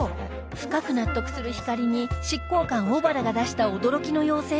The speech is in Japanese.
深く納得するひかりに執行官小原が出した驚きの要請とは？